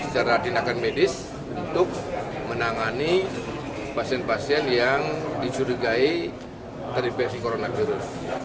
secara tindakan medis untuk menangani pasien pasien yang dicurigai terinfeksi coronavirus